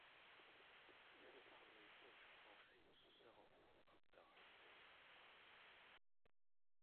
Я стаў ёй больш грошай з заробку аддаваць.